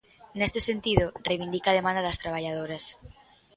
Neste sentido, reivindica a demanda das traballadoras.